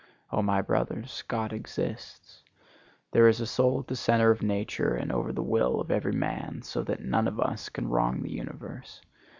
O my brothers, God exists. There is a soul at the centre of nature and over the will of every man, so that none of us can wrong the universe.